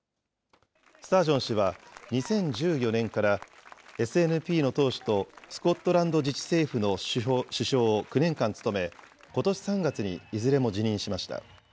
スタージョン氏は２０１４年からＳＮＰの党首とスコットランド自治政府の首相を９年間務め、ことし３月にいずれも辞任しました。